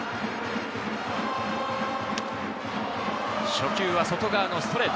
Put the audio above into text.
初球は外側のストレート。